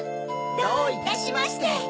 どういたしまして。